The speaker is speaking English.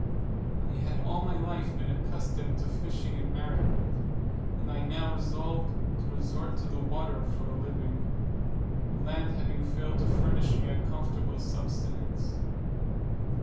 I had all my life been accustomed to fishing in Maryland, and I now resolved to resort to the water for a living; the land having failed to furnish me a comfortable subsistence.